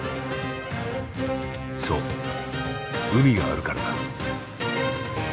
そう海があるからだ。